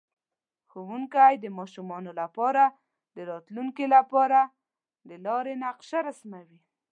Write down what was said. ښوونکی د ماشومانو لپاره د راتلونکي لپاره د لارې نقشه رسموي.